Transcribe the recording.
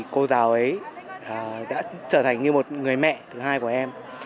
cô giáo ấy đã trở thành như một người mẹ thứ hai của em